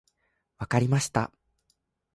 分かりました。